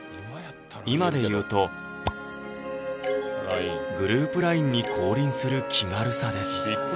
今で言うとグループラインに降臨する気軽さです